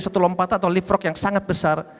suatu lompatan atau lift rock yang sangat besar